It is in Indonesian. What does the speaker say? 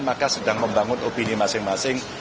maka sedang membangun opini masing masing